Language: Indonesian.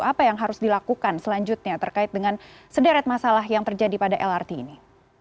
apa yang harus dilakukan selanjutnya terkait dengan sederet masalah yang terjadi pada lrt ini